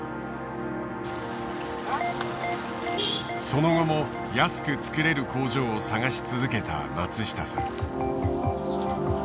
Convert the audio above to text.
その後も安く作れる工場を探し続けた松下さん。